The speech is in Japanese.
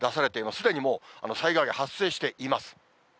すでにもう災害が発生しています。